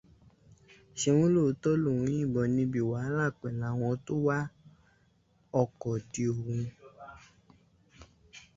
Ṣeun lóòtọ́ lóun yìnbọn níbi wàhálá pẹ̀láwọn tó wa ọkọ̀ dí òun.